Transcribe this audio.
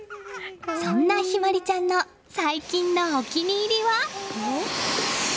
そんな向日葵ちゃんの最近のお気に入りは。